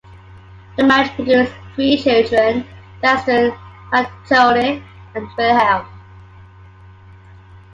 The marriage produced three children: Gaston, Mathilde and Wilhem.